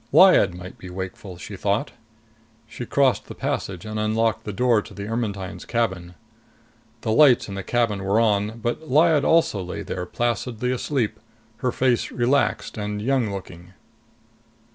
Lyad might be wakeful, she thought. She crossed the passage and unlocked the door to the Ermetyne's cabin. The lights in the cabin were on, but Lyad also lay there placidly asleep, her face relaxed and young looking.